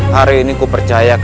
hari ini aku percaya